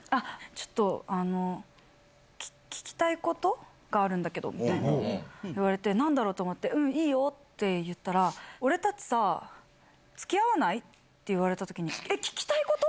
ちょっと、あの、聞きたいことがあるんだけどみたいなこといわれて、なんだろうと思って、うん、いいよって言ったら、俺たちさ、つきあわない？って言われたときに、えっ、聞きたいこと？